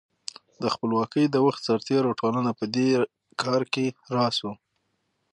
د خپلواکۍ د وخت سرتېرو ټولنه په دې کار کې راس وه.